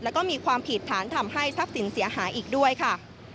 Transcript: แล้วก็มีความผิดฐานทำให้ทรัพย์สินเสียหายอีกด้วยค่ะ